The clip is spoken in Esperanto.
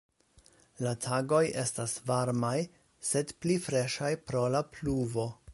La tagoj estas varmaj, sed pli freŝaj pro la pluvo.